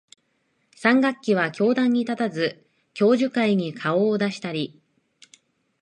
三学期は教壇に立たず、教授会に顔を出したり、